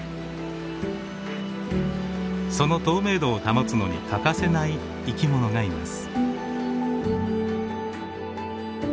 その透明度を保つのに欠かせない生き物がいます。